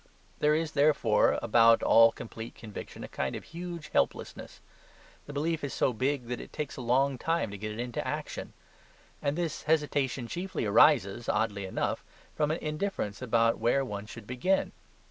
There is, therefore, about all complete conviction a kind of huge helplessness. The belief is so big that it takes a long time to get it into action. And this hesitation chiefly arises, oddly enough, from an indifference about where one should begin.